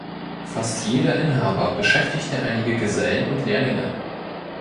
Fast jeder Inhaber beschäftigte einige Gesellen und Lehrlinge.